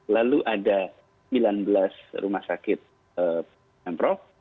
lalu ada sembilan belas rumah sakit m prof